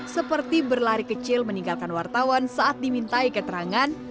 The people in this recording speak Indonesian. seperti berlari kecil meninggalkan wartawan saat dimintai keterangan